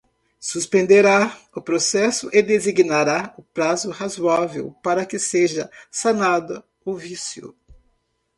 suspenderá o processo e designará prazo razoável para que seja sanado o vício.